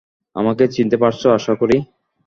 আমাকে চিনতে পারছ আশা করি।